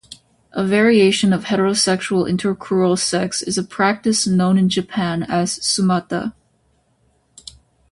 A variation of heterosexual intercrural sex is a practice known in Japan as sumata.